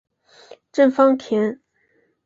郑芳田。